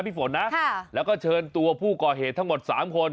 ฝนนะแล้วก็เชิญตัวผู้ก่อเหตุทั้งหมด๓คน